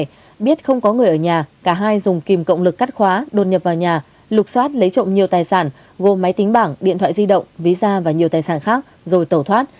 đồng thời biết không có người ở nhà cả hai dùng kìm cộng lực cắt khóa đột nhập vào nhà lục xoát lấy trộm nhiều tài sản gồm máy tính bảng điện thoại di động visa và nhiều tài sản khác rồi tẩu thoát